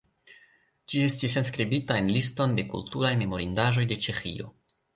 Ĝi estis enskribita en Liston de kulturaj memorindaĵoj de Ĉeĥio.